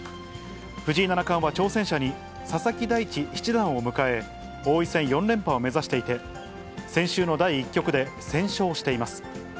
藤井七冠は、挑戦者に、佐々木大地七段を迎え、王位戦４連覇を目指していて、先週の第１局で先勝しています。